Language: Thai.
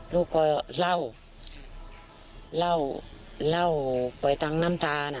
ลูกก็เล่าเล่าไปทั้งน้ำตานะ